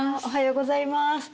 おはようございます。